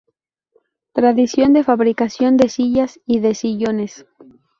Tradición de fabricación de sillas y de sillones.